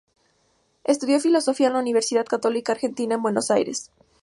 Estudió Filosofía en la Universidad Católica Argentina en Buenos Aires.